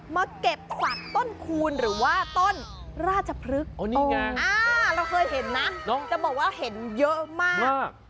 มาเก็บฝักต้นคูณหรือว่าต้นราชพฤษอ่อนี่แง่อ่าเราเคยเห็นนะจะบอกว่าเห็นเยอะมากมาก